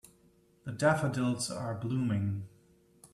The daffodils are blooming.